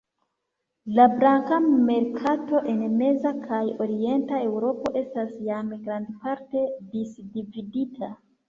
La banka merkato en meza kaj orienta Eŭropo estas jam grandparte disdividita.